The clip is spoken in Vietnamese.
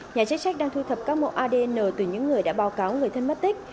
nhà chức trách đang thu thập các mẫu adn từ những người đã báo cáo người thân mất tích